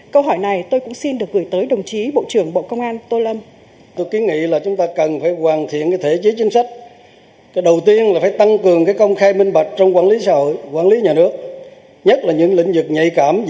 câu hỏi này tôi cũng xin được gửi tới đồng chí bộ trưởng bộ công an tô lâm